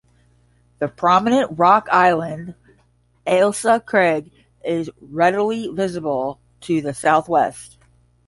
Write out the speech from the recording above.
The prominent rock island Ailsa Craig is readily visible to the southwest.